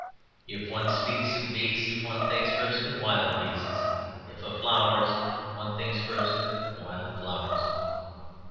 If one speaks of beasts one thinks first of wild beasts; if of flowers one thinks first of wild flowers.